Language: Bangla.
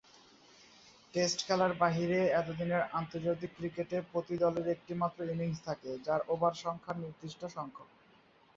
টেস্ট খেলার বাইরে একদিনের আন্তর্জাতিক ক্রিকেটে প্রতি দলের একটি মাত্র ইনিংস থাকে যার ওভার সংখ্যা নির্দিষ্ট সংখ্যক।